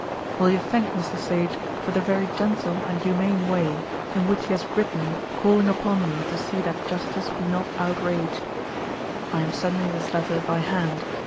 Will you thank Mr. Sage for the very gentle and humane way in which he has written calling upon me to see that justice be not outraged. I am sending this letter by hand.